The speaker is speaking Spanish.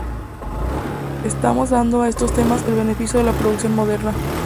Estamos dando a estos temas el beneficio de la producción moderna.